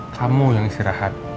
kamu yang istirahat